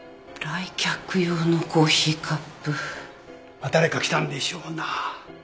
まあ誰か来たんでしょうな。